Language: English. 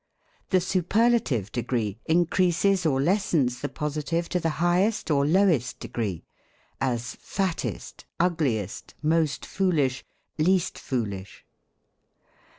The Superlative decree increases or lessens the posi tive to the highest or lowest degree ; as fattest, ugliest, most foolish, least foolish.